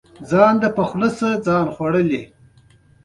قبر سرته دې ولاړ یم غږ دې نه شــــته